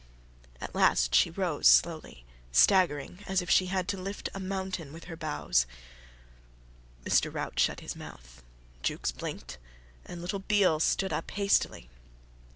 At last she rose slowly, staggering, as if she had to lift a mountain with her bows. Mr. Rout shut his mouth; Jukes blinked; and little Beale stood up hastily.